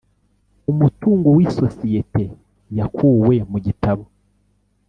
Umutungo w isosiyete yakuwe mu gitabo